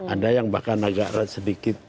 ada yang bahkan agak sedikit